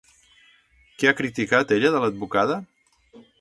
Què ha criticat ella de l'advocada?